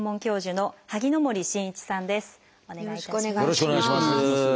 よろしくお願いします。